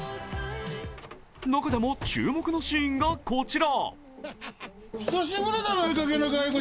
中でも注目のシーンがこちら。